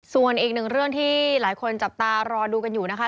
ส่วนอีกหนึ่งเรื่องที่หลายคนจับตารอดูกันอยู่นะคะ